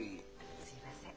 すいません。